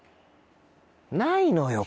ないのよ！